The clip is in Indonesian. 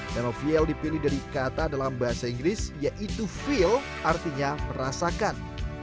nama vial dipilih dari kata dalam bahasa inggris yaitu feel artinya merasakan